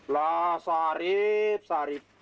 lah sarip sarip